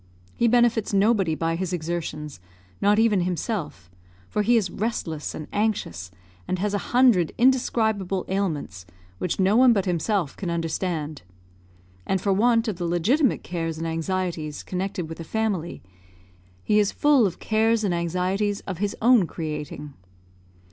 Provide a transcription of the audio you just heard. He benefits nobody by his exertions, not even himself; for he is restless and anxious, has a hundred indescribable ailments, which no one but himself can understand; and for want of the legitimate cares and anxieties connected with a family, he is full of cares and anxieties of his own creating.